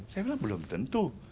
saya bilang belum tentu